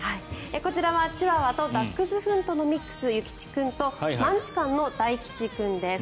こちらはチワワとダックスフントのミックス、諭吉君とマンチカンの大吉君です。